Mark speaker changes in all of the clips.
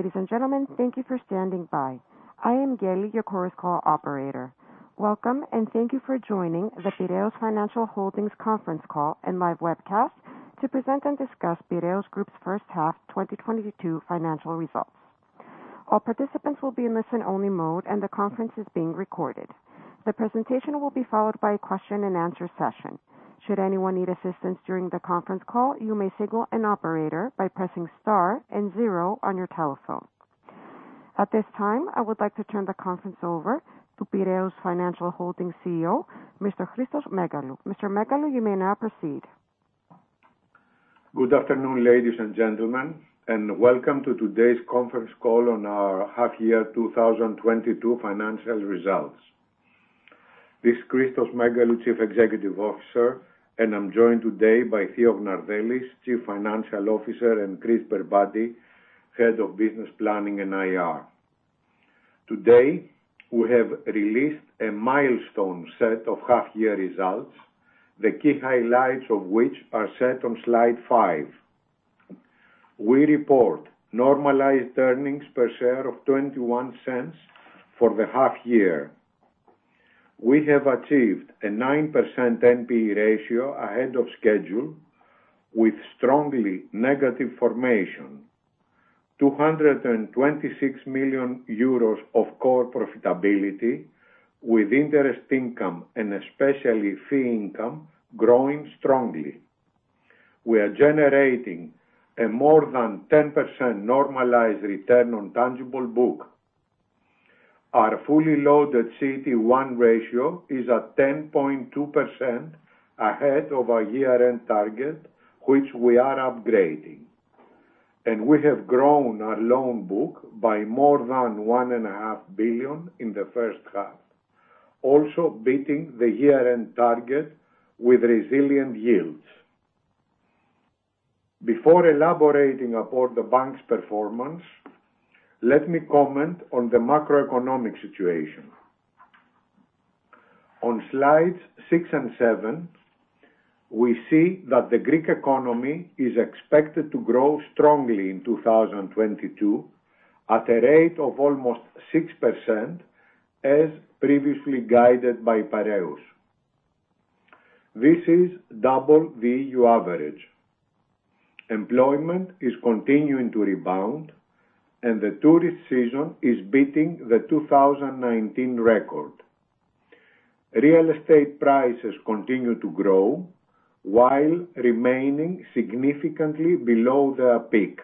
Speaker 1: Ladies and gentlemen, thank you for standing by. I am Gailey, your Chorus Call operator. Welcome, and thank you for joining the Piraeus Financial Holdings conference call and live webcast to present and discuss Piraeus Group's first half 2022 financial results. All participants will be in listen-only mode, and the conference is being recorded. The presentation will be followed by a question-and-answer session. Should anyone need assistance during the conference call, you may signal an operator by pressing star and zero on your telephone. At this time, I would like to turn the conference over to Piraeus Financial Holdings CEO, Mr. Christos Megalou. Mr. Megalou, you may now proceed.
Speaker 2: Good afternoon, ladies and gentlemen, and welcome to today's conference call on our half-year 2022 financial results. This is Christos Megalou, Chief Executive Officer, and I'm joined today by Theo Gnardellis, Chief Financial Officer, and Chrys Berbati, Head of Business Planning and IR. Today, we have released a milestone set of half-year results, the key highlights of which are set on slide 5. We report normalized earnings per share of 0.21 for the half year. We have achieved a 9% NPE ratio ahead of schedule with strongly negative formation. 226 million euros of core profitability with interest income and especially fee income growing strongly. We are generating a more than 10% normalized return on tangible book. Our fully loaded CET1 ratio is at 10.2%, ahead of our year-end target, which we are upgrading. We have grown our loan book by more than 1.5 billion in the first half, also beating the year-end target with resilient yields. Before elaborating upon the bank's performance, let me comment on the macroeconomic situation. On slides 6 and 7, we see that the Greek economy is expected to grow strongly in 2022 at a rate of almost 6%, as previously guided by Piraeus. This is double the EU average. Employment is continuing to rebound, and the tourist season is beating the 2019 record. Real estate prices continue to grow while remaining significantly below their peak.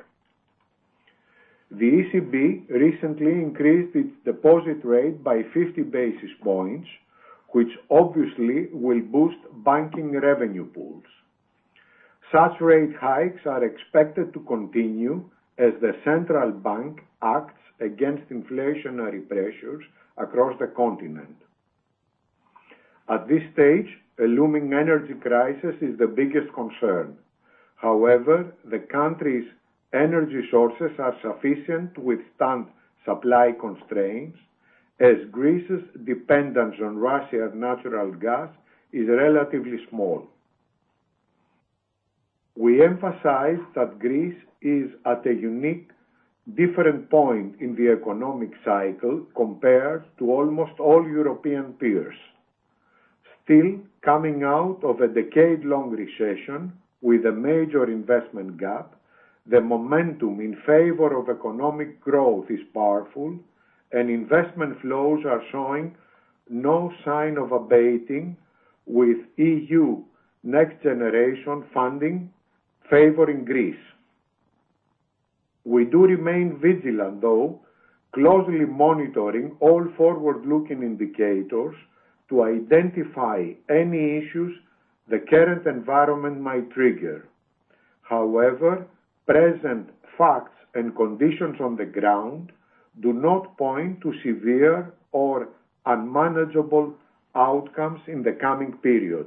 Speaker 2: The ECB recently increased its deposit rate by 50 basis points, which obviously will boost banking revenue pools. Such rate hikes are expected to continue as the central bank acts against inflationary pressures across the continent. At this stage, a looming energy crisis is the biggest concern. However, the country's energy sources are sufficient to withstand supply constraints, as Greece's dependence on Russian natural gas is relatively small. We emphasize that Greece is at a uniquely different point in the economic cycle compared to almost all European peers. Still coming out of a decade-long recession with a major investment gap, the momentum in favor of economic growth is powerful, and investment flows are showing no sign of abating, with EU NextGeneration funding favoring Greece. We do remain vigilant, though, closely monitoring all forward-looking indicators to identify any issues the current environment might trigger. However, present facts and conditions on the ground do not point to severe or unmanageable outcomes in the coming period.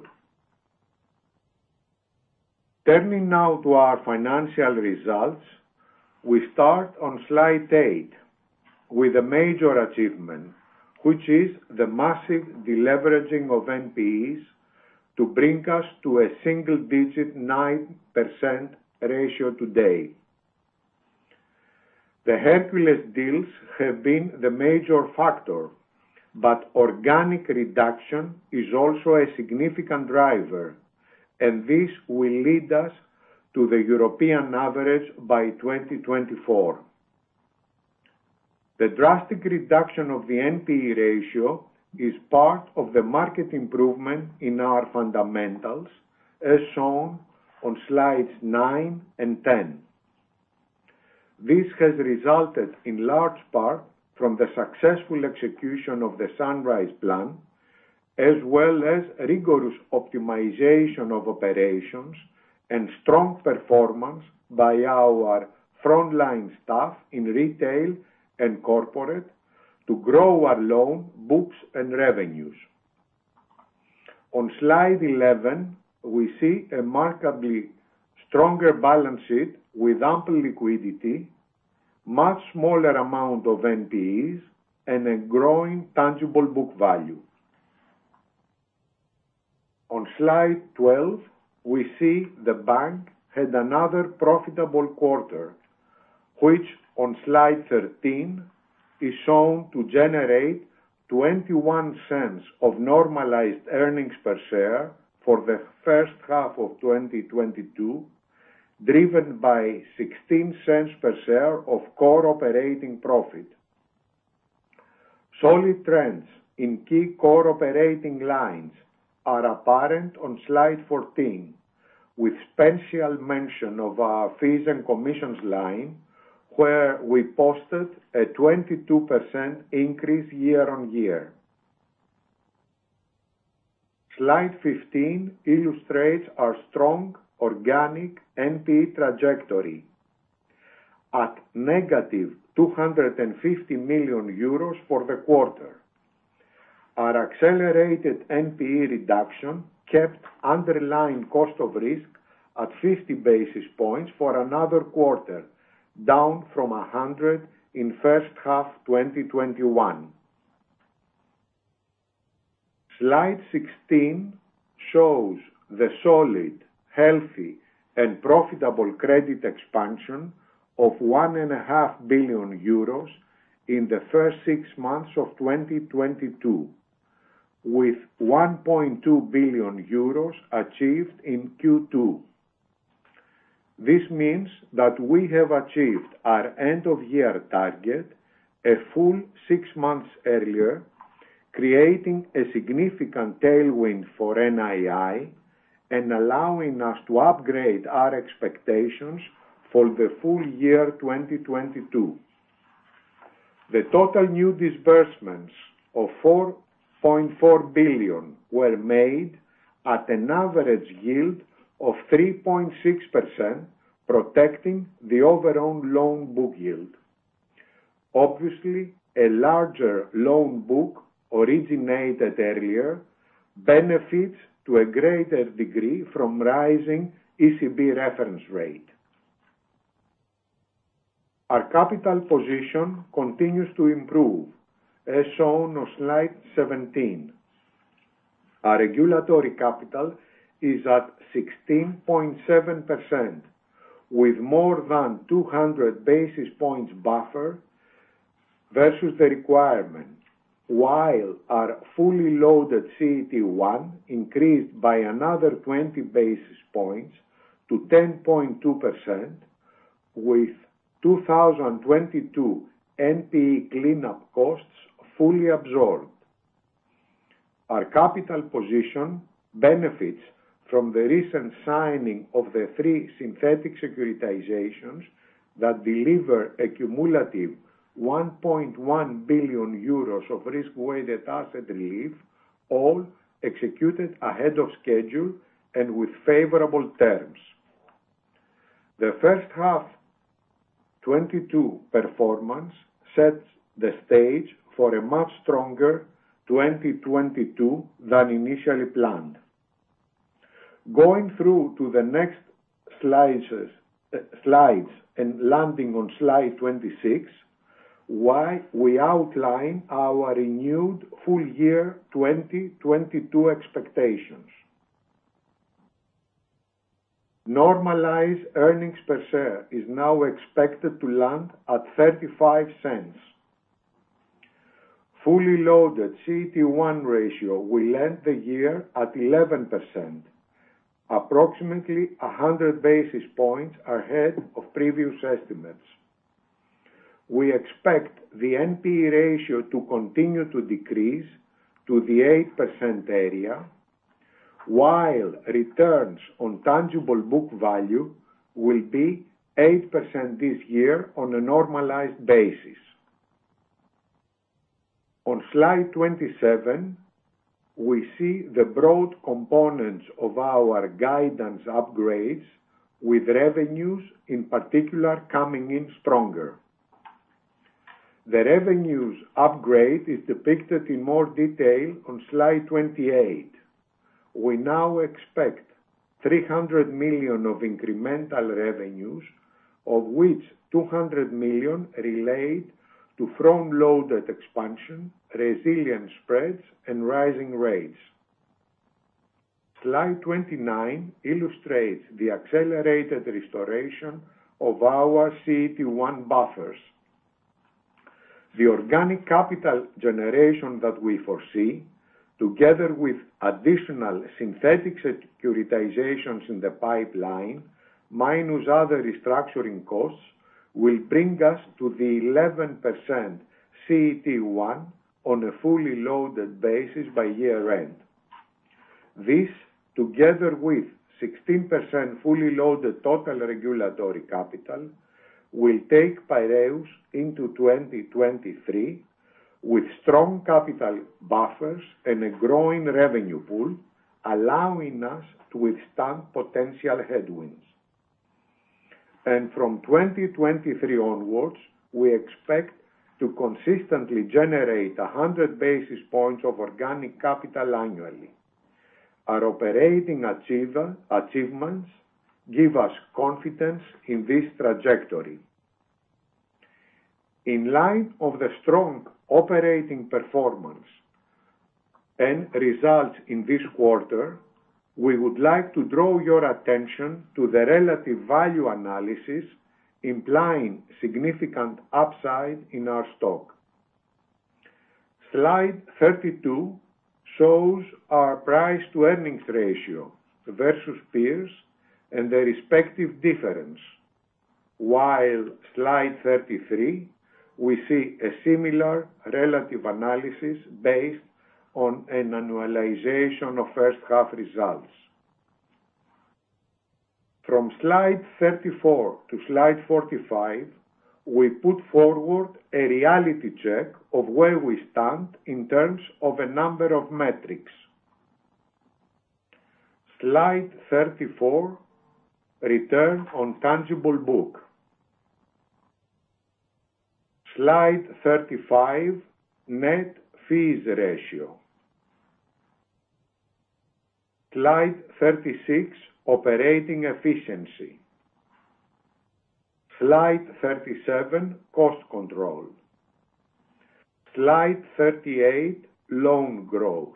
Speaker 2: Turning now to our financial results, we start on slide 8 with a major achievement, which is the massive deleveraging of NPEs to bring us to a single-digit 9% ratio today. The Hercules deals have been the major factor, but organic reduction is also a significant driver, and this will lead us to the European average by 2024. The drastic reduction of the NPE ratio is part of the market improvement in our fundamentals, as shown on slides 9 and 10. This has resulted in large part from the successful execution of the Sunrise Plan, as well as rigorous optimization of operations and strong performance by our frontline staff in retail and corporate to grow our loan books and revenues. On slide 11, we see a remarkably stronger balance sheet with ample liquidity, a much smaller amount of NPEs, and a growing tangible book value. On slide 12, we see the bank had another profitable quarter, which on slide 13 is shown to generate 0.21 of normalized earnings per share for the first half of 2022, driven by 0.16 per share of core operating profit. Solid trends in key core operating lines are apparent on slide 14, with special mention of our fees and commissions line, where we posted a 22% increase year-on-year. Slide 15 illustrates our strong organic NPE trajectory at -250 million euros for the quarter. Our accelerated NPE reduction kept underlying cost of risk at 50 basis points for another quarter, down from 100 in first half 2021. Slide 16 shows the solid, healthy, and profitable credit expansion of 1.5 billion euros in the first six months of 2022, with 1.2 billion euros achieved in Q2. This means that we have achieved our end-of-year target a full six months earlier, creating a significant tailwind for NII and allowing us to upgrade our expectations for the full year 2022. The total new disbursements of 4.4 billion were made at an average yield of 3.6%, protecting the overall loan book yield. Obviously, a larger loan book originated earlier benefits to a greater degree from rising ECB reference rate. Our capital position continues to improve, as shown on Slide 17. Our regulatory capital is at 16.7% with more than 200 basis points buffer versus the requirement, while our fully loaded CET1 increased by another 20 basis points to 10.2% with 2022 NPE cleanup costs fully absorbed. Our capital position benefits from the recent signing of the three synthetic securitizations that deliver a cumulative 1.1 billion euros of risk weighted asset relief, all executed ahead of schedule and with favorable terms. The first half 2022 performance sets the stage for a much stronger 2022 than initially planned. Going through to the next slides and landing on slide 26, where we outline our renewed full year 2022 expectations. Normalized earnings per share is now expected to land at 0.35. Fully loaded CET1 ratio will end the year at 11%, approximately 100 basis points ahead of previous estimates. We expect the NPE ratio to continue to decrease to the 8% area, while returns on tangible book value will be 8% this year on a normalized basis. On slide 27, we see the broad components of our guidance upgrades, with revenues in particular coming in stronger. The revenues upgrade is depicted in more detail on slide 28. We now expect 300 million of incremental revenues, of which 200 million relate to front loaded expansion, resilient spreads and rising rates. Slide 29 illustrates the accelerated restoration of our CET1 buffers. The organic capital generation that we foresee, together with additional synthetic securitizations in the pipeline, minus other restructuring costs, will bring us to the 11% CET1 on a fully loaded basis by year end. This, together with 16% fully loaded total regulatory capital, will take Piraeus into 2023 with strong capital buffers and a growing revenue pool, allowing us to withstand potential headwinds. From 2023 onwards, we expect to consistently generate 100 basis points of organic capital annually. Our operating achievements give us confidence in this trajectory. In light of the strong operating performance and results in this quarter, we would like to draw your attention to the relative value analysis, implying significant upside in our stock. Slide 32 shows our price-to-earnings ratio versus peers and the respective difference. While slide 33, we see a similar relative analysis based on an annualization of first half results. From slide 34 to slide 45, we put forward a reality check of where we stand in terms of a number of metrics. Slide 34, return on tangible book. Slide 35, net fees ratio. Slide 36, operating efficiency. Slide 37, cost control. Slide 38, loan growth.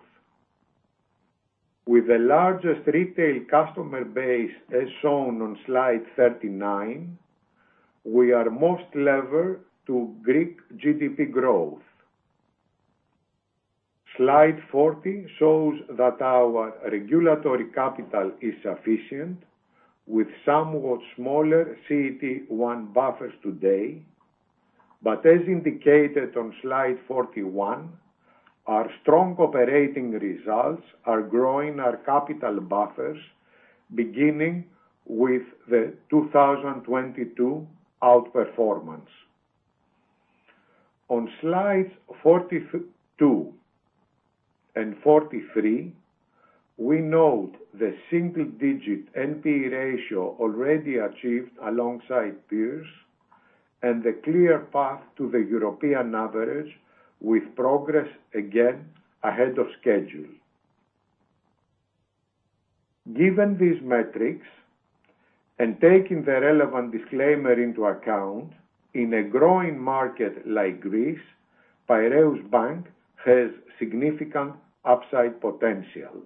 Speaker 2: With the largest retail customer base, as shown on slide 39, we are most levered to Greek GDP growth. Slide 40 shows that our regulatory capital is sufficient with somewhat smaller CET1 buffers today. As indicated on slide 41, our strong operating results are growing our capital buffers, beginning with the 2022 outperformance. On slides 42 and 43, we note the single-digit NPE ratio already achieved alongside peers and the clear path to the European average with progress again ahead of schedule. Given these metrics and taking the relevant disclaimer into account, in a growing market like Greece, Piraeus Bank has significant upside potential.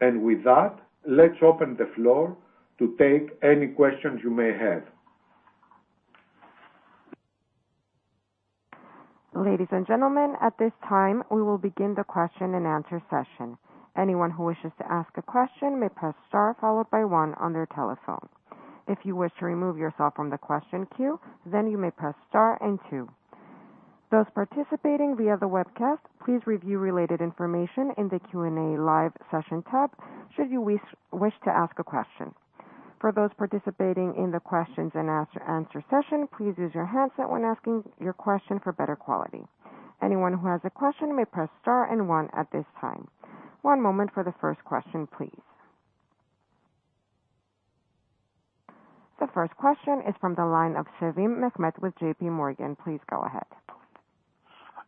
Speaker 2: With that, let's open the floor to take any questions you may have.
Speaker 1: Ladies and gentlemen, at this time, we will begin the question and answer session. Anyone who wishes to ask a question may press star followed by one on their telephone. If you wish to remove yourself from the question queue, then you may press star and two. Those participating via the webcast, please review related information in the Q&A live session tab should you wish to ask a question. For those participating in the questions-and-answer session, please use your handset when asking your question for better quality. Anyone who has a question may press star and one at this time. One moment for the first question, please. The first question is from the line of Mehmet Sevim with JPMorgan. Please go ahead.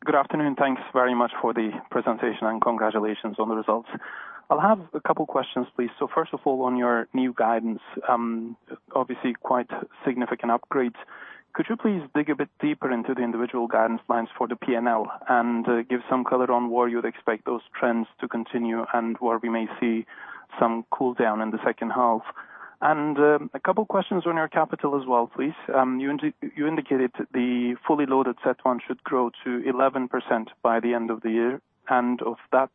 Speaker 3: Good afternoon, thanks very much for the presentation, and congratulations on the results. I'll have a couple of questions, please. First of all, on your new guidance, obviously quite significant upgrades. Could you please dig a bit deeper into the individual guidance lines for the P&L and, give some color on where you'd expect those trends to continue and where we may see some cooldown in the second half? A couple of questions on your capital as well, please. You indicated the fully loaded CET1 should grow to 11% by the end of the year, and of that,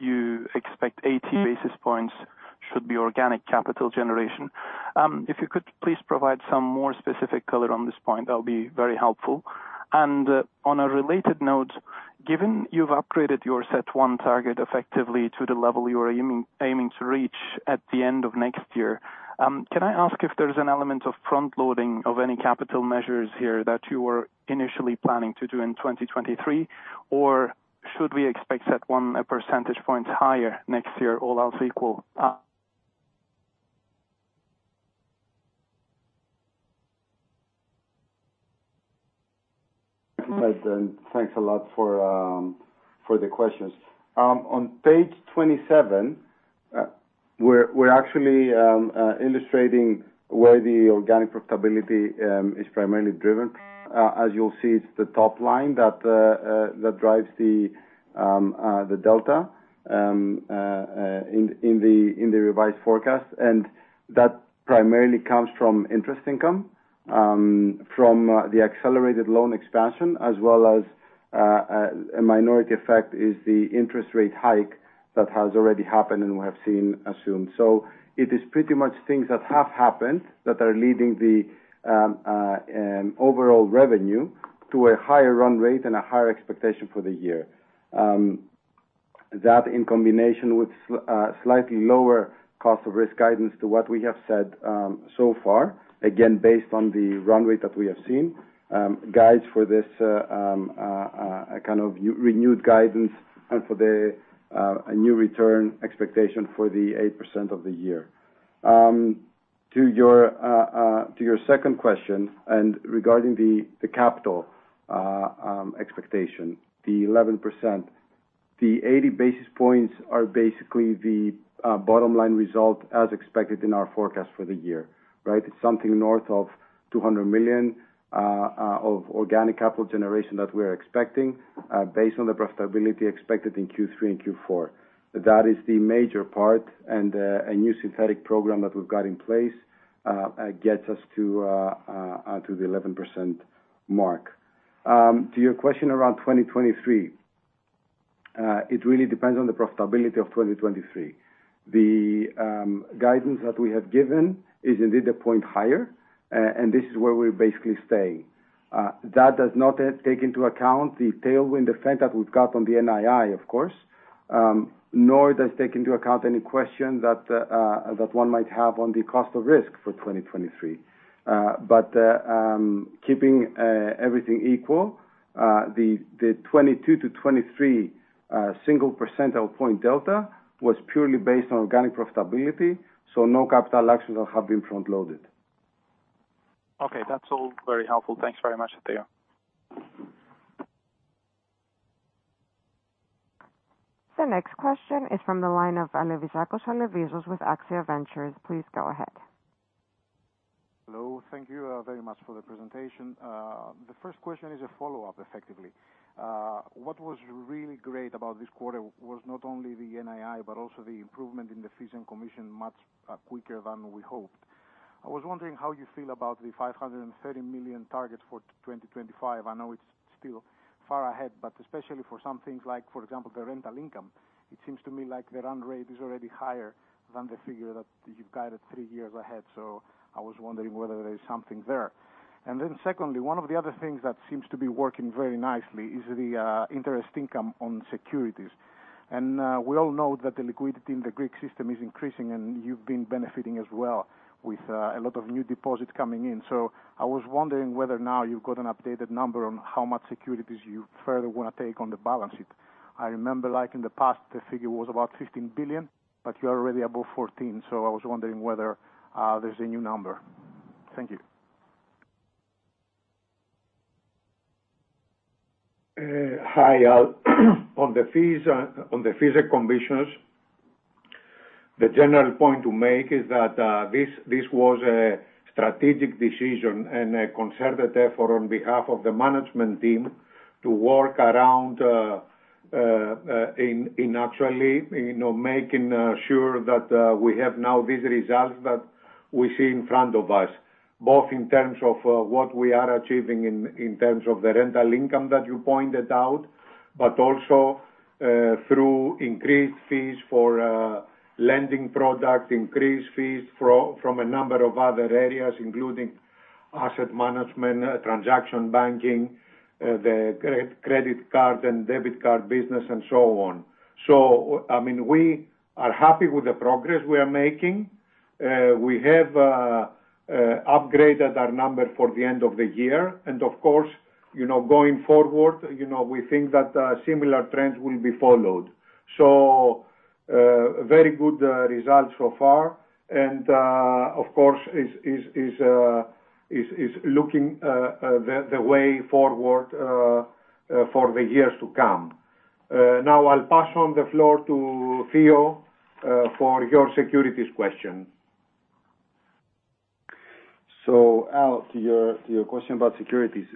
Speaker 3: you expect 80 basis points should be organic capital generation. If you could please provide some more specific color on this point, that'll be very helpful. On a related note, given you've upgraded your CET1 target effectively to the level you are aiming to reach at the end of next year, can I ask if there's an element of front-loading of any capital measures here that you were initially planning to do in 2023? Or should we expect CET1 percentage points higher next year, all else equal?
Speaker 4: Thanks a lot, Sevim. Thanks a lot for the questions. On page 27, we're actually illustrating where the organic profitability is primarily driven. As you'll see, it's the top line that drives the delta in the revised forecast. That primarily comes from interest income from the accelerated loan expansion, as well as a minor effect of the interest rate hike that has already happened, and we have seen and assumed. It is pretty much things that have happened that are leading the overall revenue to a higher run rate and a higher expectation for the year. That in combination with slightly lower cost of risk guidance to what we have said so far, again, based on the run rate that we have seen, guides for this kind of renewed guidance and for a new return expectation for the 8% of the year. To your second question, and regarding the capital expectation, the 11%. The 80 basis points are basically the bottom line result as expected in our forecast for the year, right? It's something north of 200 million of organic capital generation that we're expecting, based on the profitability expected in Q3 and Q4. That is the major part, and a new synthetic program that we've got in place gets us to the 11% mark. To your question around 2023, it really depends on the profitability of 2023. The guidance that we have given is indeed a point higher, and this is where we basically stay. That does not take into account the tailwind effect that we've got from the NII, of course, nor does it take into account any question that one might have on the cost of risk for 2023. But keeping everything equal, the 2022-2023 single percentage point delta was purely based on organic profitability, so no capital actions will have been front-loaded.
Speaker 3: Okay. That's all very helpful. Thanks very much, Theo.
Speaker 1: The next question is from the line of Alevizos Alevizakos with Axia Ventures. Please go ahead.
Speaker 5: Hello. Thank you, very much for the presentation. The first question is a follow-up, effectively. What was really great about this quarter was not only the NII, but also the improvement in the fees and commissions, much quicker than we hoped. I was wondering how you feel about the 530 million target for 2025. I know it's still far ahead, but especially for some things like, for example, the rental income, it seems to me like the run rate is already higher than the figure that you've guided three years ahead, so I was wondering whether there is something there. Secondly, one of the other things that seems to be working very nicely is the interest income on securities. We all know that the liquidity in the Greek system is increasing, and you've been benefiting as well with a lot of new deposits coming in. I was wondering whether now you've got an updated number on how much securities you further wanna take on the balance sheet. I remember, like, in the past, the figure was about 15 billion, but you're already above 14 billion, so I was wondering whether there's a new number. Thank you.
Speaker 2: Hi, Al. On the fees and commissions, the general point to make is that this was a strategic decision and a conservative effort on behalf of the management team to work around in actually, you know, making sure that we have now these results that we see in front of us, both in terms of what we are achieving in terms of the rental income that you pointed out, but also through increased fees for lending products, increased fees from a number of other areas, including asset management, transaction banking, the credit card and debit card business, and so on. I mean, we are happy with the progress we are making. We have upgraded our number for the end of the year, and of course, you know, going forward, you know, we think that similar trends will be followed. Very good results so far, and of course, is looking the way forward for the years to come. Now I'll pass on the floor to Theo for your securities question.
Speaker 4: Al, to your question about securities,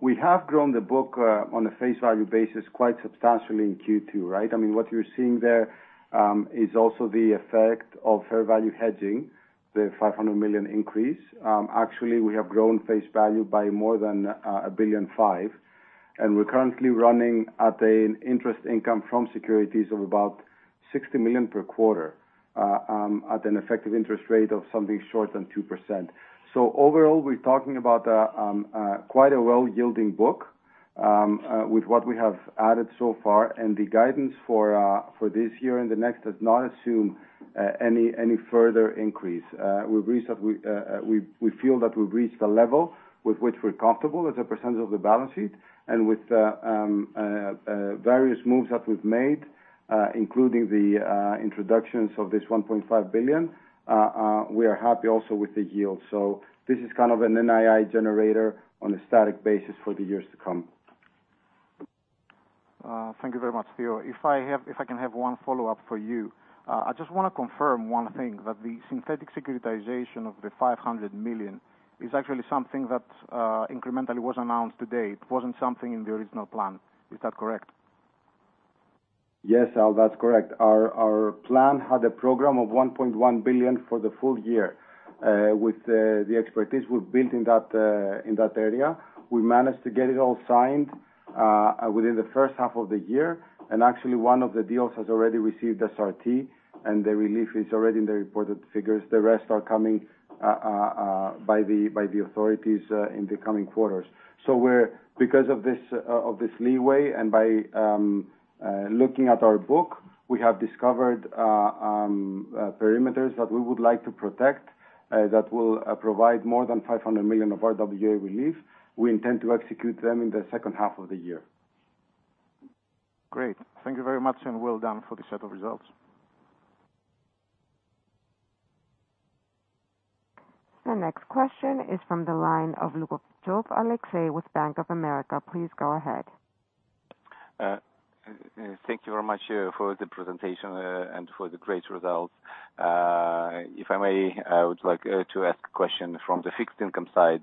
Speaker 4: we have grown the book on a face value basis quite substantially in Q2, right? I mean, what you're seeing there is also the effect of fair value hedging, the 500 million increase. Actually, we have grown face value by more than a 1.5 billion, and we're currently running at an interest income from securities of about 60 million per quarter at an effective interest rate of something short of 2%. Overall, we're talking about quite a well-yielding book with what we have added so far, and the guidance for this year and the next does not assume any further increase. We feel that we've reached a level with which we're comfortable as a percentage of the balance sheet and with various moves that we've made, including the introductions of this 1.5 billion. We are happy also with the yield. This is kind of an NII generator on a static basis for the years to come.
Speaker 5: Thank you very much, Theo. If I can have one follow-up for you. I just wanna confirm one thing, that the synthetic securitization of the 500 million is actually something that, incrementally was announced today. It wasn't something in the original plan. Is that correct?
Speaker 4: Yes, Al, that's correct. Our plan had a program of 1.1 billion for the full year. With the expertise we've built in that area, we managed to get it all signed within the first half of the year, and actually, one of the deals has already received SRT, and the relief is already in the reported figures. The rest are coming by the authorities in the coming quarters. We're because of this leeway, and by looking at our book, we have discovered perimeters that we would like to protect, that will provide more than 500 million of RWA relief. We intend to execute them in the second half of the year.
Speaker 5: Great. Thank you very much, and well done for the set of results.
Speaker 1: The next question is from the line of Alexei Lougovtsov with Bank of America. Please go ahead.
Speaker 6: Thank you very much for the presentation and for the great results. If I may, I would like to ask a question from the fixed-income side.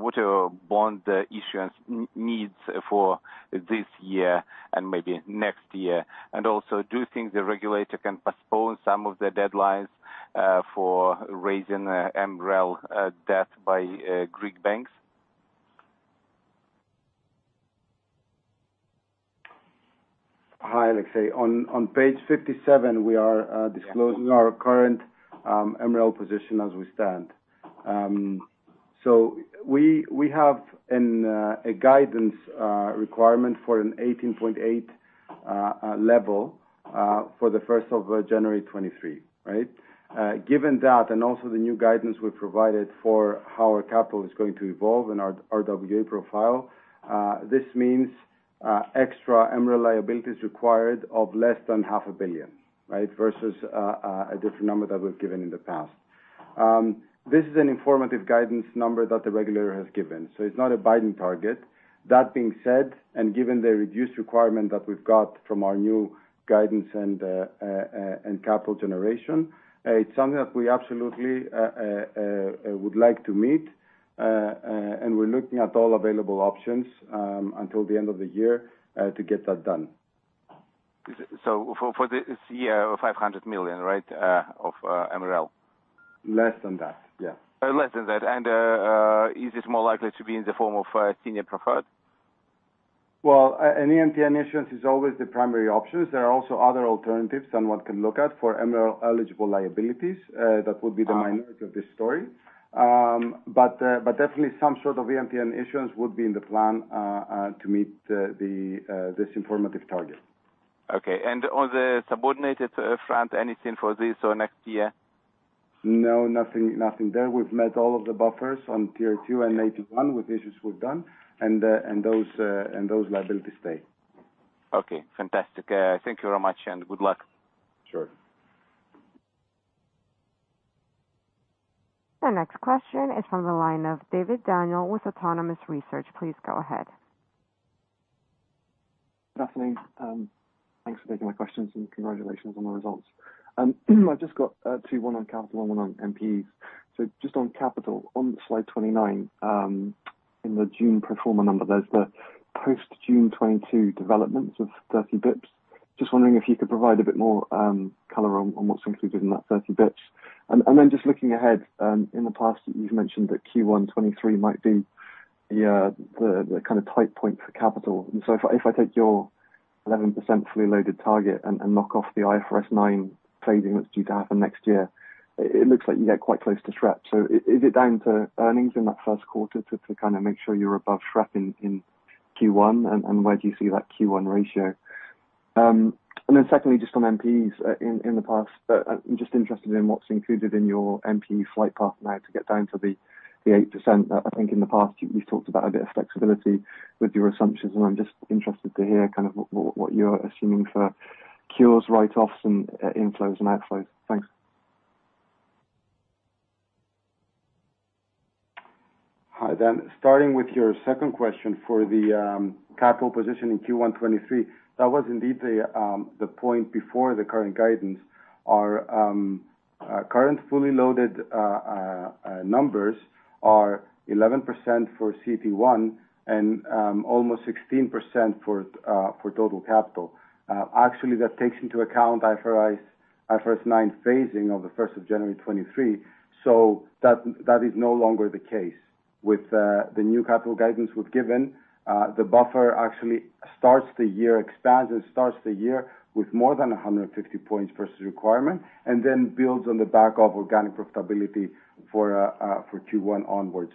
Speaker 6: What are bond issuance needs for this year and maybe next year? Also, do you think the regulator can postpone some of the deadlines for raising MREL debt by Greek banks?
Speaker 4: Hi, Alexei. On page 57, we are disclosing our current MREL position as we stand. So we have a guidance requirement for an 18.8 level for the 1st January 2023, right? Given that, and also the new guidance we've provided for how our capital is going to evolve and our RWA profile, this means extra MREL liability is required of less than 500 million, right? Versus a different number that we've given in the past. This is an informative guidance number that the regulator has given, so it's not a binding target. That being said, given the reduced requirement that we've got from our new guidance and capital generation, it's something that we absolutely would like to meet. We're looking at all available options until the end of the year to get that done.
Speaker 6: For this year, 500 million, right, of MREL?
Speaker 4: Less than that, yeah.
Speaker 6: Less than that. Is this more likely to be in the form of senior preferred?
Speaker 4: Well, an EMTN issuance is always the primary option. There are also other alternatives someone can look at for MREL-eligible liabilities, that would be the minority of this story. Definitely, some sort of EMTN issuance would be in the plan, to meet this indicative target.
Speaker 6: Okay. On the subordinated front, anything for this or next year?
Speaker 4: No, nothing there. We've met all of the buffers on Tier 2 and AT1 with issues we've done and those liabilities stay.
Speaker 6: Okay, fantastic. Thank you very much, and good luck.
Speaker 4: Sure.
Speaker 1: The next question is from the line of David Daniel with Autonomous Research. Please go ahead.
Speaker 7: Good afternoon. Thanks for taking my questions, and congratulations on the results. I've just got two, one on capital, one on NPEs. Just on capital, on slide 29, in the June pro forma number, there's the post-June 2022 developments of 30 basis points. Just wondering if you could provide a bit more color on what's included in that 30 basis points. Then, just looking ahead, in the past, you've mentioned that Q1 2023 might be the kind of tight point for capital. If I take your 11% fully loaded target and knock off the IFRS 9 phasing that's due to happen next year, it looks like you get quite close to SREP. Is it down to earnings in that first quarter to kinda make sure you're above SREP in Q1, and where do you see that Q1 ratio? Secondly, just on NPEs, in the past, I'm just interested in what's included in your NPE flight path now to get down to the 8%. I think in the past you've talked about a bit of flexibility with your assumptions, and I'm just interested to hear kind of what you're assuming for cures, write-offs, and inflows and outflows. Thanks.
Speaker 4: Starting with your second question for the capital position in Q1 2023, that was indeed the point before the current guidance. Our current fully loaded numbers are 11% for CET1 and almost 16% for total capital. Actually, that takes into account IFRS 9 phasing of the 1st January 2023, so that is no longer the case. With the new capital guidance we've given, the buffer actually starts the year, expands, and starts the year with more than 150 points versus requirement and then builds on the back of organic profitability for Q1 onwards.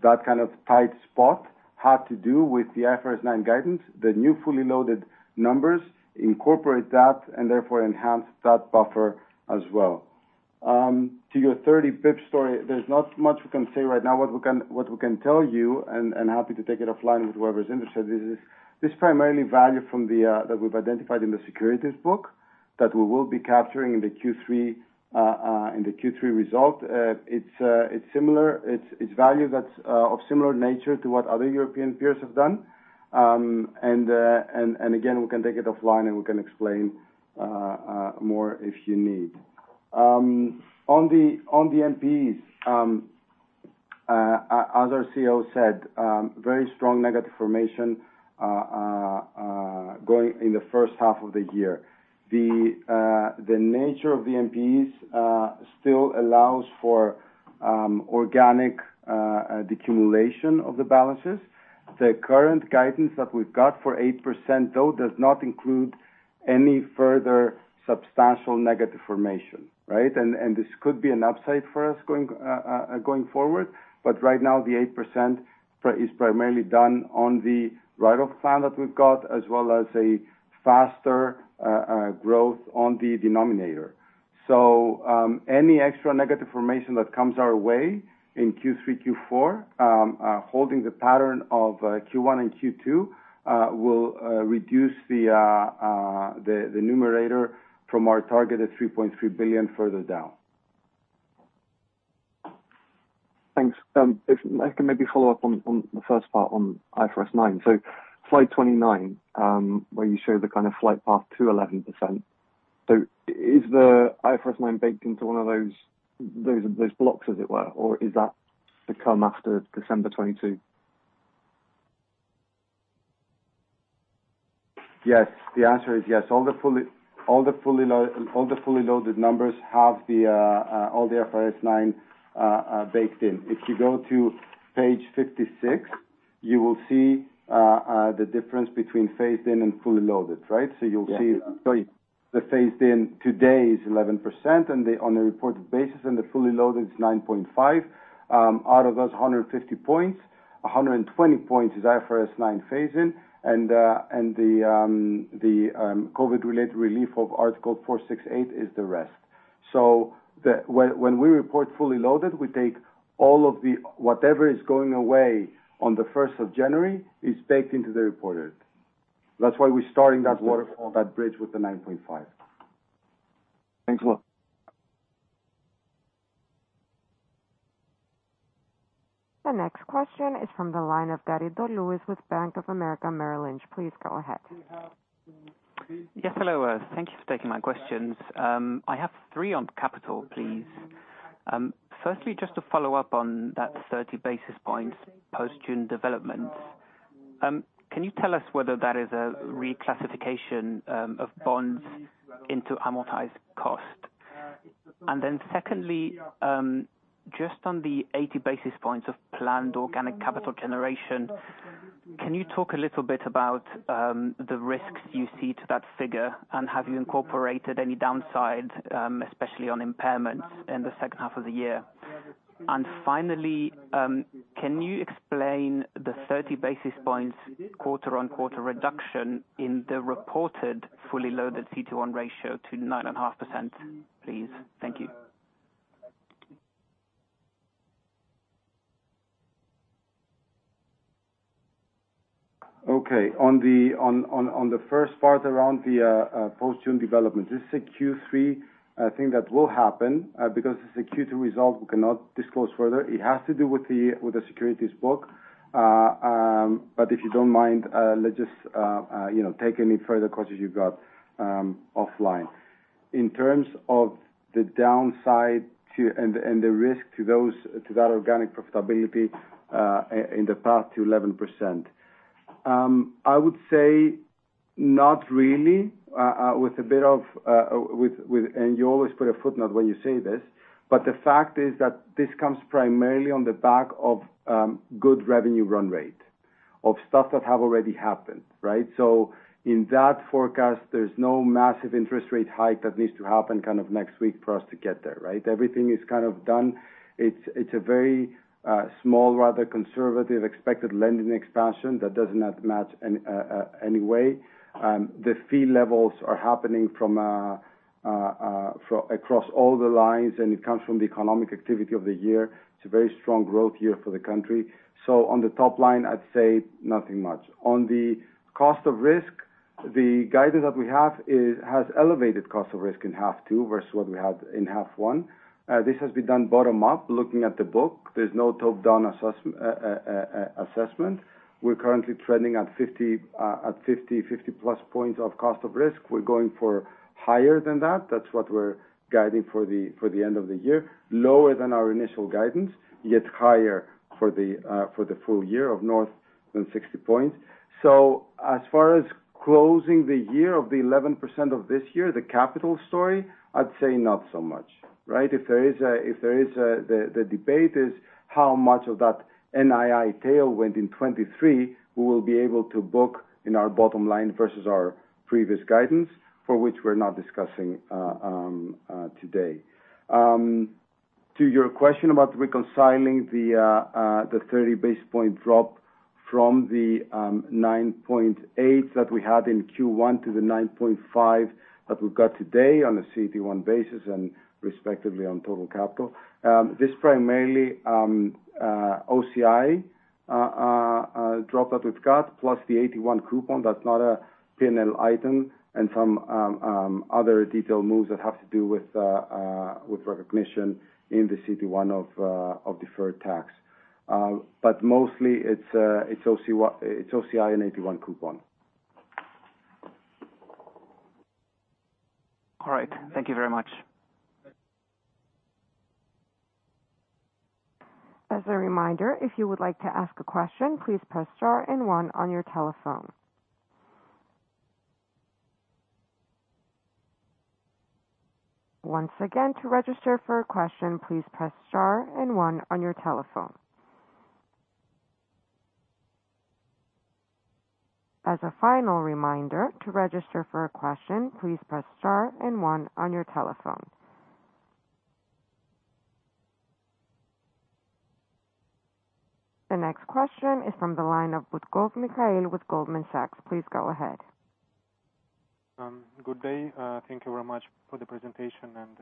Speaker 4: That kind of tight spot had to do with the IFRS 9 guidance. The new fully loaded numbers incorporate that and therefore enhance that buffer as well. To your 30 basis points story, there's not much we can say right now. What we can tell you, and happy to take it offline with whoever's interested, is this primarily value from the that we've identified in the securities book that we will be capturing in the Q3 result. It's similar. It's value that's of similar nature to what other European peers have done. And again, we can take it offline, and we can explain more if you need. On the NPEs, as our CEO said, very strong negative formation going on in the first half of the year. The nature of the NPEs still allows for organic decumulation of the balances. The current guidance that we've got for 8%, though, does not include any further substantial negative formation, right? This could be an upside for us going forward. Right now, the 8% is primarily done on the write-off plan that we've got, as well as a faster growth on the denominator. Any extra negative formation that comes our way in Q3, Q4, holding the pattern of Q1 and Q2, will reduce the numerator from our target of 3.3 billion further down.
Speaker 7: Thanks. If I can maybe follow up on the first part on IFRS 9. Slide 29, where you show the kind of flight path to 11%. Is the IFRS 9 baked into one of those blocks as it were, or is that to come after December 2022?
Speaker 4: Yes. The answer is yes. All the fully loaded numbers have the IFRS 9 baked in. If you go to page 56, you will see the difference between phased in and fully loaded, right?
Speaker 7: Yeah.
Speaker 4: You'll see the phased in today is 11% and the, on a reported basis, and the fully loaded is 9.5%. Out of those 150 points, 120 points is IFRS 9 phased in, and the COVID-related relief of Article 468 is the rest. When we report fully loaded, we take all of the whatever is going away on the 1st January is baked into the reported. That's why we're starting that waterfall, that bridge with the 9.5%.
Speaker 7: Thanks a lot.
Speaker 1: The next question is from the line of Garry Riddle with Bank of America Merrill Lynch. Please go ahead.
Speaker 8: Yes, hello. Thank you for taking my questions. I have three on capital, please. Firstly, just to follow up on that 30 basis points post-June development, can you tell us whether that is a reclassification of bonds into amortized cost? And then secondly, just on the 80 basis points of planned organic capital generation, can you talk a little bit about the risks you see to that figure, and have you incorporated any downside, especially on impairments in the second half of the year? And finally, can you explain the 30 basis points quarter-on-quarter reduction in the reported fully loaded CET1 ratio to 9.5%, please? Thank you.
Speaker 4: Okay. On the first part around the post-June development, this is a Q3, I think, that will happen, because it's a Q2 result, we cannot disclose further. It has to do with the securities book. But if you don't mind, let's just, you know, take any further questions you've got, offline. In terms of the downside to and the risk to that organic profitability in the path to 11%, I would say not really, with a bit of with. You always put a footnote when you say this, but the fact is that this comes primarily on the back of good revenue run rate of stuff that have already happened, right? In that forecast, there's no massive interest rate hike that needs to happen kind of next week for us to get there, right? Everything is kind of done. It's a very small, rather conservative expected lending expansion that does not match any way. The fee levels are happening from across all the lines, and it comes from the economic activity of the year. It's a very strong growth year for the country. On the top line, I'd say nothing much. On the cost of risk, the guidance that we have has elevated cost of risk in half two versus what we had in half one. This has been done bottom up, looking at the book. There's no top-down assessment. We're currently trending at 50+ points of cost of risk. We're going for higher than that. That's what we're guiding for the end of the year. Lower than our initial guidance, yet higher for the full year north of 60 points. As far as closing the year at 11% this year, the capital story, I'd say not so much, right? The debate is how much of that NII tailwind in 2023 we will be able to book in our bottom line versus our previous guidance, which we're not discussing today. To your question about reconciling the 30 basis point drop from the 9.8 that we had in Q1 to the 9.5 that we've got today on a CET1 basis and respectively on total capital, this is primarily OCI drop that we've got, plus the AT1 coupon, that's not a P&L item, and some other detailed moves that have to do with recognition in the CET1 of deferred tax. Mostly it's OCI and AT1 coupon.
Speaker 8: All right. Thank you very much.
Speaker 1: As a reminder, if you would like to ask a question, please press star and one on your telephone. Once again, to register for a question, please press star and one on your telephone. As a final reminder, to register for a question, please press star and one on your telephone. The next question is from the line of Butkov Mikhail with Goldman Sachs. Please go ahead.
Speaker 9: Good day. Thank you very much for the presentation and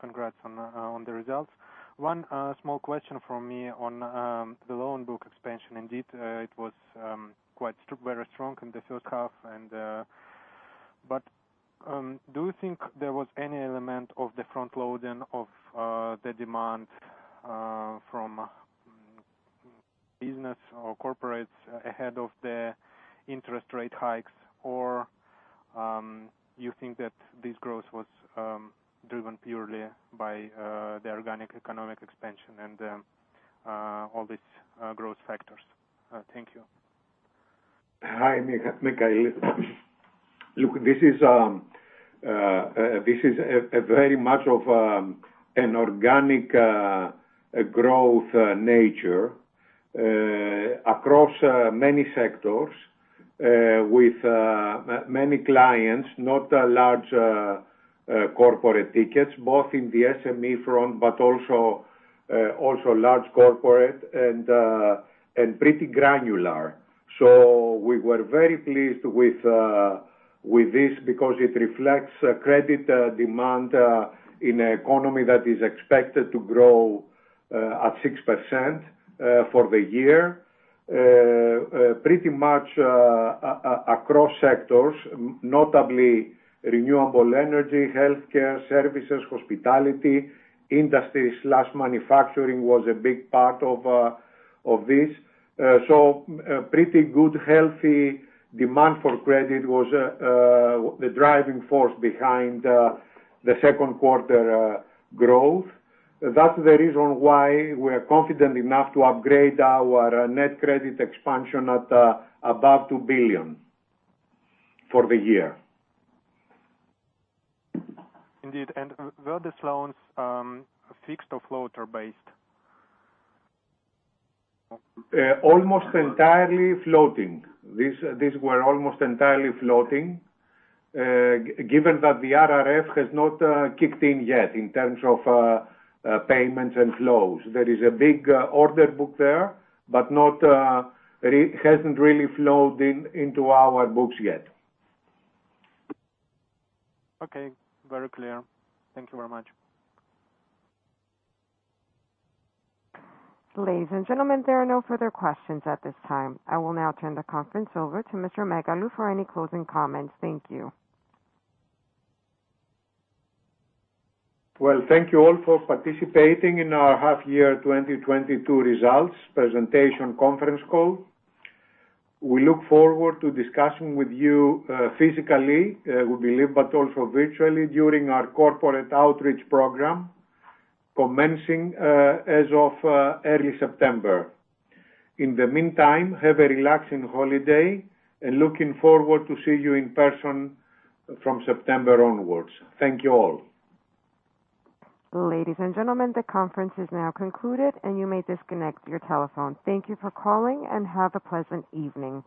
Speaker 9: congrats on the results. One small question from me on the loan book expansion. Indeed, it was very strong in the first half, and do you think there was any element of the front-loading of the demand from business or corporates ahead of the interest rate hikes? Or you think that this growth was driven purely by the organic economic expansion and all these growth factors? Thank you.
Speaker 2: Hi, Mikhail. Look, this is a very much of an organic growth nature across many sectors with many clients, not a large corporate ticket, both in the SME front, but also large corporate and pretty granular. We were very pleased with this because it reflects credit demand in an economy that is expected to grow at 6% for the year, pretty much across sectors, notably renewable energy, healthcare, services, hospitality, industry/manufacturing was a big part of this. Pretty good, healthy demand for credit was the driving force behind the second quarter growth. That's the reason why we're confident enough to upgrade our net credit expansion at above 2 billion for the year.
Speaker 9: Indeed. Were these loans fixed or floater-based?
Speaker 2: Almost entirely floating. These were almost entirely floating. Given that the RRF has not kicked in yet in terms of payments and flows. There is a big order book there, but hasn't really flowed into our books yet.
Speaker 9: Okay. Very clear. Thank you very much.
Speaker 1: Ladies and gentlemen, there are no further questions at this time. I will now turn the conference over to Mr. Megalou for any closing comments. Thank you.
Speaker 2: Well, thank you all for participating in our half-year 2022 results presentation conference call. We look forward to discussing with you, physically, it would be live, but also virtually, during our corporate outreach program, commencing as of early September. In the meantime, have a relaxing holiday and looking forward to seeing you in person from September onwards. Thank you all.
Speaker 1: Ladies and gentlemen, the conference is now concluded, and you may disconnect your telephone. Thank you for calling, and have a pleasant evening.